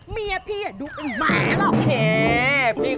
เมียพี่ดูอุ๋นหมายมาก